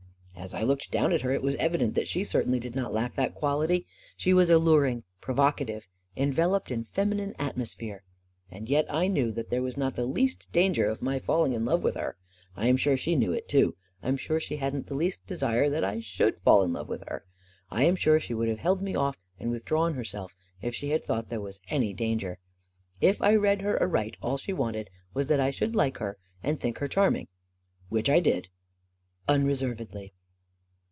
As I looked down at her, it was evident that she certainly did not lack that quality. She was allur ing, provocative, enveloped in feminine atmosphere. And yet I knew that there was not the least danger of my falling in love with her. I am sure she knew it, too; I am sure she hadn't the least desire that I should fall in love with her; I am sure she would have held me off and withdrawn herself if she had thought there was any danger. If I read her aright, all she wanted was that I should like her and think her charming. Which I did. Unreservedly.